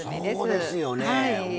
そうですよね。